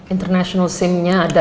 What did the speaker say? international simnya ada